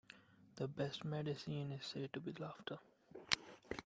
The best medicine is said to be laughter.